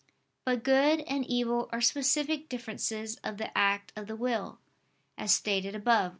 But good and evil are specific differences of the act of the will, as stated above (A.